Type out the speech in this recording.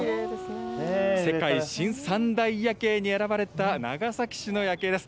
世界新三大夜景に選ばれた長崎市の夜景です。